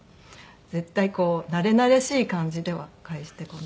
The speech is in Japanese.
絶対なれなれしい感じでは返してこない。